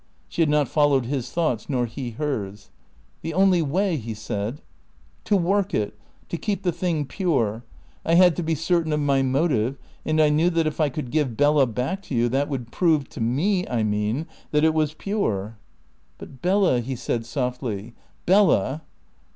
She had not followed his thoughts nor he hers. "The only way?" he said. "To work it. To keep the thing pure. I had to be certain of my motive, and I knew that if I could give Bella back to you that would prove to me, I mean that it was pure." "But Bella," he said softly "Bella.